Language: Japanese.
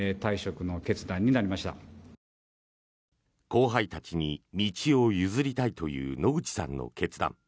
後輩たちに道を譲りたいという野口さんの決断。